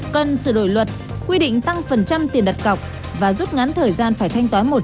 cần sửa đổi luật quy định tăng phần trăm tiền đặt cọc và rút ngắn thời gian phải thanh toán một